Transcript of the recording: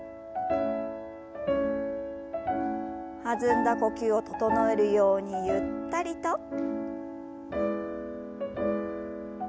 弾んだ呼吸を整えるようにゆったりと。